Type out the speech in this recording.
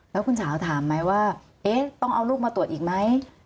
แล้วคุณสาวถามไหมว่าต้องเอาลูกมาตรวจอีกไหม